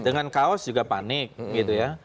dengan kaos juga panik gitu ya